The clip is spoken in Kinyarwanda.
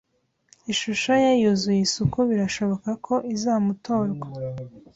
Ishusho ye yuzuye isuku birashoboka ko izamutorwa.